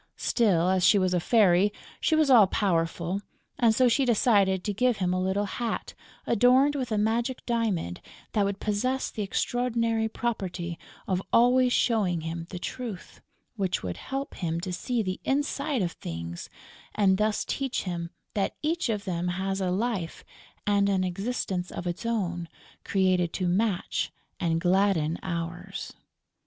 Still, as she was a fairy, she was all powerful; and so she decided to give him a little hat adorned with a magic diamond that would possess the extraordinary property of always showing him the truth, which would help him to see the inside of Things and thus teach him that each of them has a life and an existence of its own, created to match and gladden ours.